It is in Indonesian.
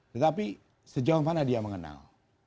tetapi sejauh mana dia mengenal